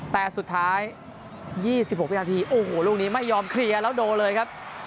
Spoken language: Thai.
แต่สุดท้าย๒๖วินาทีโอ้โหลูกนี้ไม่ยอมเคลียร์แล้วโดนเลยครับ